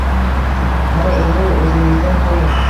Mana, endi, o`zingizdan ko`ring